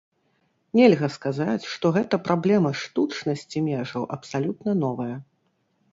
Нельга сказаць, што гэта праблема штучнасці межаў абсалютна новая.